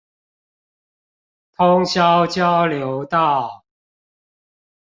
通霄交流道